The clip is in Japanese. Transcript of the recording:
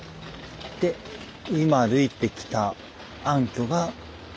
で今歩いてきた暗渠が。